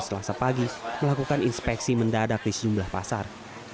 setelah sepagi melakukan inspeksi mendadak di sejumlah pasar